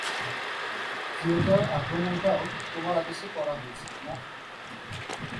কিয়োটোর আক্রমনটাও তোমার আদেশে করা হয়েছে, না?